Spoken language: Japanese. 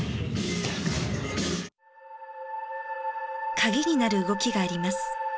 カギになる動きがあります。